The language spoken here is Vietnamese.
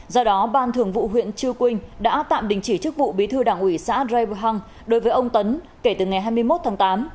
do đó ban thường vụ huyện chư quynh đã tạm đình chỉ chức vụ bí thư đảng ủy xã raibhang đối với ông tấn kể từ ngày hai mươi một tháng tám